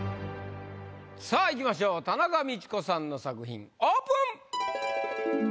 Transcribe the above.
さぁいきましょう田中道子さんの作品オープン！